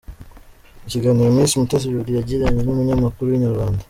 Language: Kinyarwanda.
Mu kiganiro Miss Mutesi Jolly yagiranye n’umunyamakuru wa Inyarwanda.